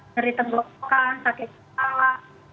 ngeri tenggorokan sakit kepala